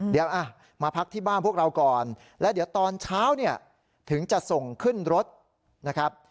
เดี๋ยวมาพักที่บ้านพวกเราก่อนแล้วเดี๋ยวตอนเช้าเนี่ยถึงจะส่งขึ้นรถนะครับ